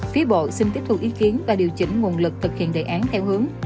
phía bộ xin tiếp thu ý kiến và điều chỉnh nguồn lực thực hiện đề án theo hướng